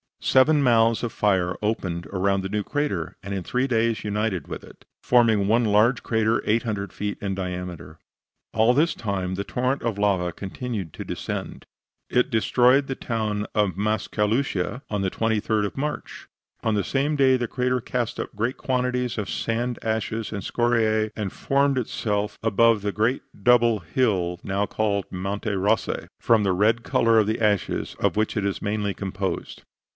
Seven mouths of fire opened around the new crater, and in three days united with it, forming one large crater 800 feet in diameter. All this time the torrent of lava continued to descend, it destroying the town of Mascalucia on the 23d of March. On the same day the crater cast up great quantities of sand, ashes and scoriae, and formed above itself the great double coned hill now called Monte Rossi, from the red color of the ashes of which it is mainly composed.